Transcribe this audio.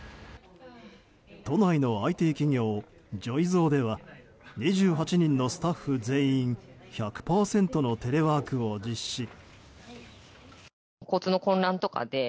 都内のＩＴ企業ジョイゾーでは２８人のスタッフ全員１００％のテレワークを実施。